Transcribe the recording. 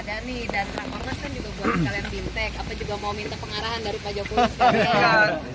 apa juga mau minta pengarahan dari pak jokowi